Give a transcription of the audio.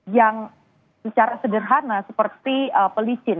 yang secara sederhana seperti pelicin